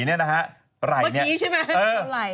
เมื่อกี้ใช่ไหม